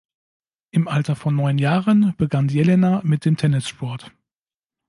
Im Alter von neun Jahren begann Jelena mit dem Tennissport.